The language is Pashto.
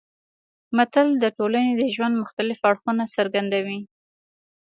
متل د ټولنې د ژوند مختلف اړخونه څرګندوي